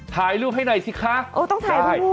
ถ่ายรูปให้ไหนสิคะ